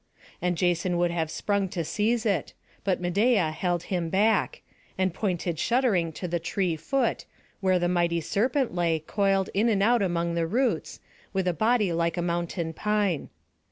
And Jason would have sprung to seize it; but Medeia held him back, and pointed shuddering to the tree foot, where the mighty serpent lay, coiled in and out among the roots, with a body like a mountain pine.